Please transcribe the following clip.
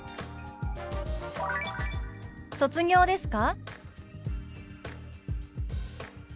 「卒業ですか？」。